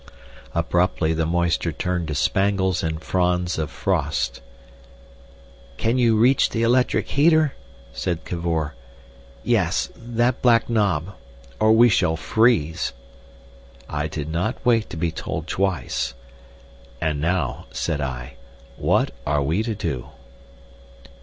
Abruptly the moisture turned to spangles and fronds of frost. "Can you reach the electric heater," said Cavor. "Yes—that black knob. Or we shall freeze." I did not wait to be told twice. "And now," said I, "what are we to do?"